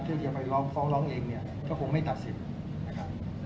ที่อาจจะไปฟ้องล้อมเองก็คงไม่ตัดสินนะครับ